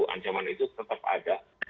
ancaman itu tetap ada